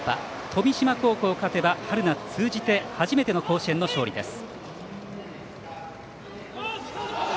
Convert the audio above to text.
富島高校勝てば春夏通じて初めての甲子園の勝利です。